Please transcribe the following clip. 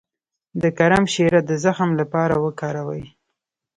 د کرم شیره د زخم لپاره وکاروئ